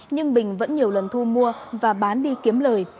nhưng bình vẫn nhiều lần thu mua và bán đi kiếm lời